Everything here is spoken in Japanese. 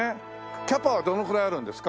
キャパはどのくらいあるんですか？